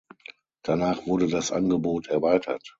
Danach wurde das Angebot erweitert.